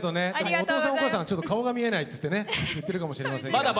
お父さんお母さんは顔が見えないつってね言ってるかもしれませんけどね。